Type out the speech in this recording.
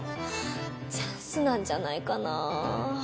チャンスなんじゃないかなあ。